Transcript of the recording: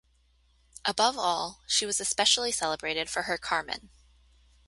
Above all, she was especially celebrated for her Carmen.